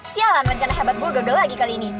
sialan rencana hebat gue gagal lagi kali ini